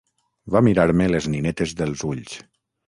Va mirar-me les ninetes dels ulls.